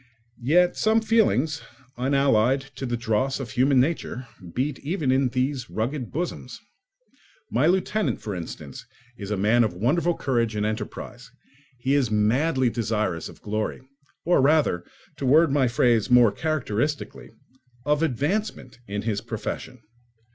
Yet some feelings, unallied to the dross of human nature, beat even in these rugged bosoms. My lieutenant, for instance, is a man of wonderful courage and enterprise; he is madly desirous of glory, or rather, to word my phrase more characteristically, of advancement in his profession.